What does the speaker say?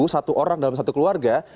satu orang dalam satu keluarga